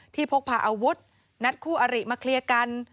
พกพาอาวุธนัดคู่อริมาเคลียร์กัน